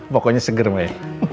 pokoknya seger mai